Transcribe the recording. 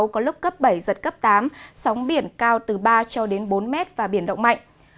có lúc cấp bảy giật cấp tám sóng biển cao từ ba cho đến bốn mét và biển động mạnh